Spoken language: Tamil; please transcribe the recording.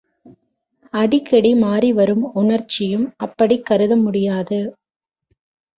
அடிக்கடி மாறிவரும் உணர்ச்சியும் அப்படிக் கருத முடியாது.